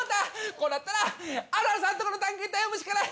こうなったらあるあるさんとこの探検隊を呼ぶしかない！